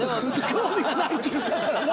「興味がない」って言うたからな。